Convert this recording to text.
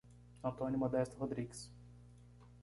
Antônio Modesto Rodrigues